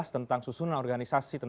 tentang susunan organisasi tni